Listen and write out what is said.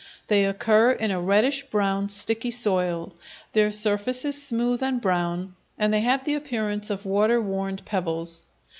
They occur in a reddish brown, sticky soil; their surface is smooth and brown and they have the appearance of water worn pebbles.